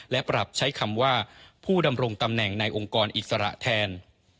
และปรับใช้คำว่าผู้ดำรงตำแหน่งในองค์กรอิสระแทน